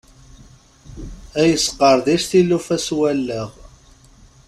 Ad yesqerdic tilufa s wallaɣ.